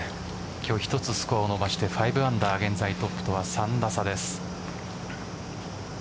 今日１つスコアを伸ばして５アンダー現在トップとは３打差です。